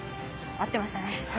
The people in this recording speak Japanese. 合ってましたね。